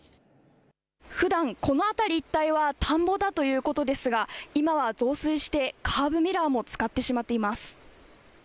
ふだんこの辺り一帯は田んぼだということですが今は増水してカーブミラーもつかってしまっています。